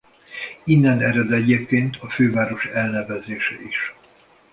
Innen ered egyébként a főváros elnevezése is.